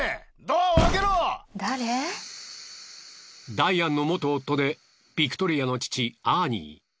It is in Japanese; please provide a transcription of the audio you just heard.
ダイアンの元夫でビクトリアの父アーニー。